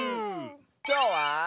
きょうは。